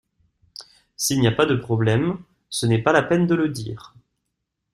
S’il n’y a pas de problème ce n’est pas la peine de le dire.